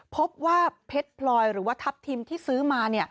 พบว่าเพชรพลอยหรือว่าทัพทิมที่ซื้อมา